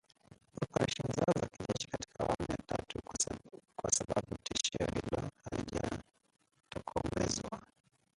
operesheni zao za kijeshi katika awamu ya tatu, kwa sababu tishio hilo halijatokomezwa